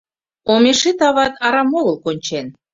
— Омешет ават арам огыл кончен.